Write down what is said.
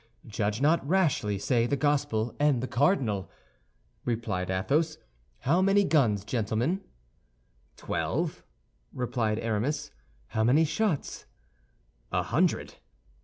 "Judge not rashly, say the gospel and the cardinal," replied Athos. "How many guns, gentlemen?" "Twelve," replied Aramis. "How many shots?" "A hundred."